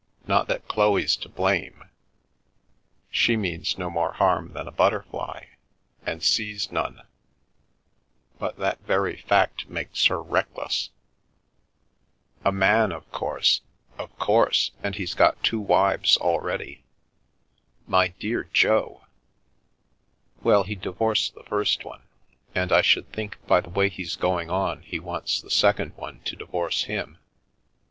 Not that Chloe's to blame ; she means no more harm than a butterfly, and sees none, but that very fact makes her reckless." 108 We Increase and Multiply " A man, of course? "" Of course. And he's got two wives already." "My dear Jo!" " Well, he divorced the first one, and I should think by the way he's going on he wants the second one to divorce him.